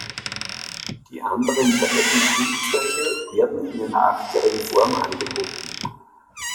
Die anderen beiden Schulzweige werden in der achtjährigen Form angeboten.